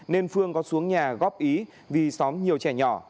nên phương có xuống nhà góp ý vì xóm nhiều trẻ nhỏ